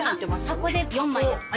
箱で４枚です。